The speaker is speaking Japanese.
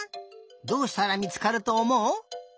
どうしたらみつかるとおもう？